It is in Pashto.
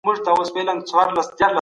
سیاستوال ولي د بیان ازادي خوندي کوي؟